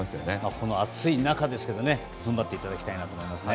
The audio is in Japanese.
この暑い中ですけど頑張っていただきたいですね。